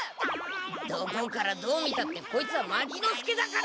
どこからどう見たってこいつは牧之介だから！